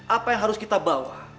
apa yang harus kita bawa